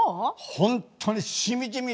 本当にしみじみ